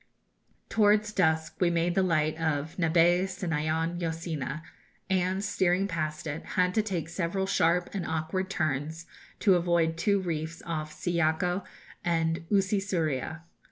Towards dusk we made the light of Nabae Sinaon Yo Sina, and, steering past it, had to take several sharp and awkward turns, to avoid two reefs off Siyako and Usi Suria.